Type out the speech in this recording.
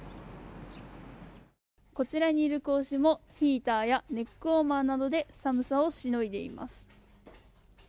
こちらにいる子牛もヒーターやネックウォーマーで寒さをしのいでいます。